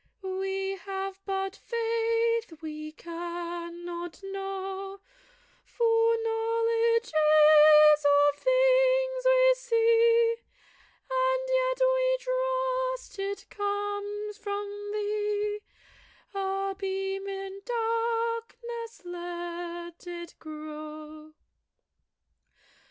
We have but faith: we cannot know; For knowledge is of things we see; And yet we trust it comes from thee, A beam in darkness: let it grow.